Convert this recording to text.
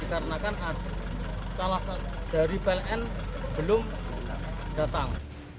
karena salah satu dari pln belum datang